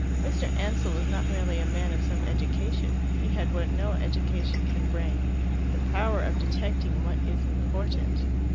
Mr. Ansell was not merely a man of some education; he had what no education can bring the power of detecting what is important.